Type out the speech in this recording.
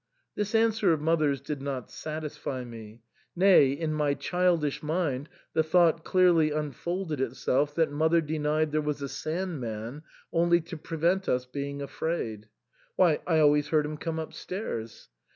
This answer of mother's did not satisfy me ; nay, in my childish mind the thought clearly unfolded itself that mother denied there was a Sand man only to prevent us being afraid, — why, I always heard him come upstairs.